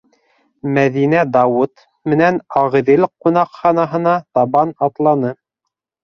Мәҙинә Дауыт менән «Ағиҙел» ҡунаҡханаһына табан атланы.